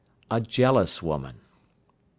A jealous woman. 30.